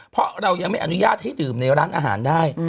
เพราะเรายังไม่อนุญาตให้ดื่มในร้านอาหารได้